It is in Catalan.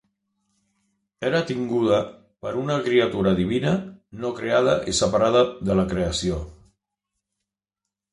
Era tinguda per una criatura divina, no creada i separada de la creació.